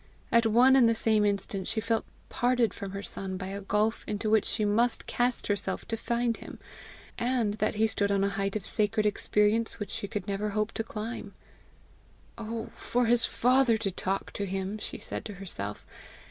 At one and the same instant she felt parted from her son by a gulf into which she must cast herself to find him, and that he stood on a height of sacred experience which she never could hope to climb. "Oh for his father to talk to him!" she said to herself.